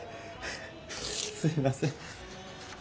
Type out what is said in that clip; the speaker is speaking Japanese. すいません。